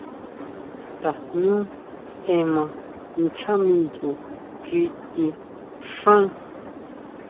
Tajñú ema nchá miyo xi í xán.